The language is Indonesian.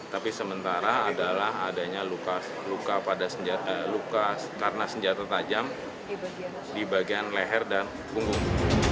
tapi sementara adalah adanya luka karena senjata tajam di bagian leher dan punggung